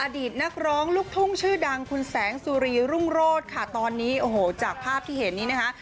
อดีตนักร้องลูกทุ่งชื่อดังคุณแสงสุรีรุ่งโรศค่ะตอนนี้โอ้โหจากภาพที่เห็นนี้นะคะ